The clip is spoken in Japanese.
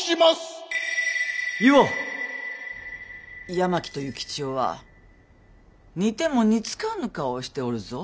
八巻と幸千代は似ても似つかぬ顔をしておるぞ。